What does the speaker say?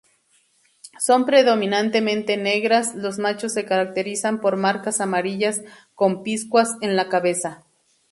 Son predominantemente negras, los machos se caracterizan por marcas amarillas conspicuas en la cabeza.